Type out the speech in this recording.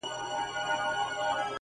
د روغن یوه ښیښه یې کړله ماته٫